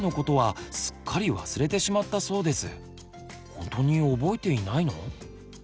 本当に覚えていないの？